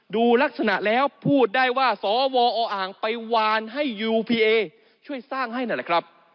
ดูลักษณะแล้วพูดได้ว่าสวออ่างไปวานให้ยูพีเอช่วยสร้างให้นั่นแหละครับ